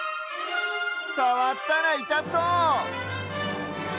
さわったらいたそう！